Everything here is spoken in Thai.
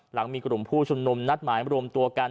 หลังมีกลุ่มผู้ชุมนุมนัดหมายรวมตัวกัน